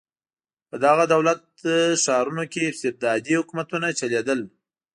په دغو دولت ښارونو کې استبدادي حکومتونه چلېدل.